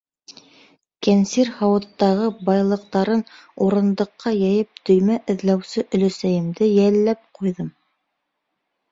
Кәнсир һауыттағы байлыҡтарын урындыҡҡа йәйеп төймә эҙләүсе өләсәйемде йәлләп ҡуйҙым.